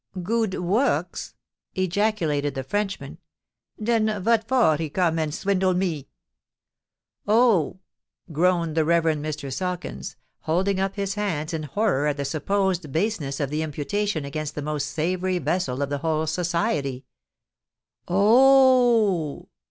"Good works!" ejaculated the Frenchman: "den vot for he come and swindle me——" "Oh!" groaned the Reverend Mr. Sawkins, holding up his hands in horror at the supposed baseness of the imputation against the most savoury vessel of the whole Society. "Oh!"